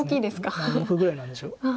何目ぐらいなんでしょう。